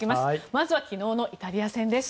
まずは昨日のイタリア戦です。